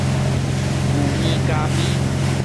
牛奶咖啡